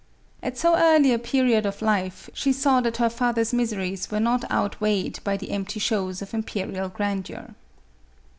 At so early a period of life, she saw that her father's miseries were not outweighed by the empty shows of imperial grandeur.